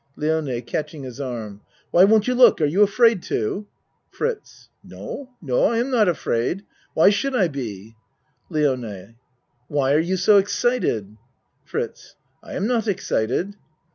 LIONE (Catching his arm.) Why won't you look? Are you afraid to? FRITZ No no I am not afraid. Why should I be? LIONE Why you are so excited? FRITZ I am not excited.